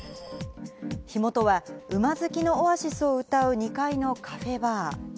火元は馬好きのオアシスをうたう２階のカフェバー。